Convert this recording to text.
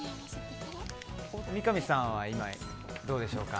三上さんは今、どうでしょうか。